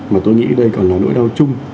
mà tôi nghĩ đây còn là nỗi đau chung